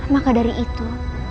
maka dari itu